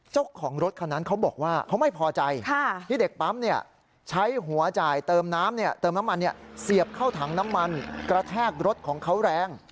เจ้าของรถคันนั้นเขาบอกว่าเขาไม่พอใจที่เด็กปั๊มใช้หัวจ่ายเติมน้ำเติมน้ำมันเสียบเข้าถังน้ำมันกระแทกรถของเขาแรง